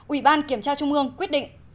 ủy ban kiểm tra trung ương quyết định